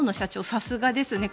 さすがですね。